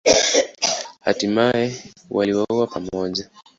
Hatimaye waliuawa pamoja.